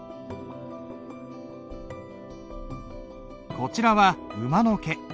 こちらは馬の毛。